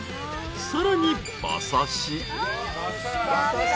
［さらに］